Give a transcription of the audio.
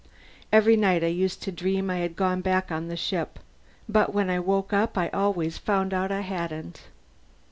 Every night I used to dream I had gone back on the ship. But when I woke up I always found out I hadn't.